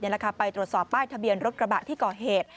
ไปตรวจสอบป้ายทะเบียนรถกระบะที่ก่อเหตุ